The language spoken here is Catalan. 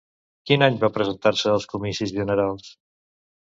Quin any va presentar-se als comicis generals?